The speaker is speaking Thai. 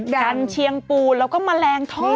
กันเชียงปูแล้วก็แมลงทอด